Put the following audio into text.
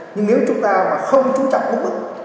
nhưng nếu chúng ta mà không chú trọng đúng đức